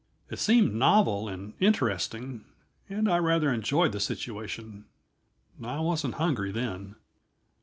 It seemed novel and interesting, and I rather enjoyed the situation. I wasn't hungry, then!